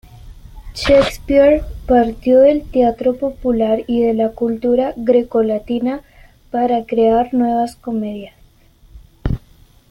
Shakespeare partió del teatro popular y de la cultura grecolatina para crear nuevas comedias.